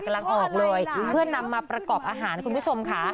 กำลังออกเลยเพื่อนำมาประกอบอาหารคุณผู้ชมค่ะ